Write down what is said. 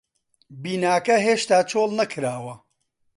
بیناکە هێشتا چۆڵ نەکراوە.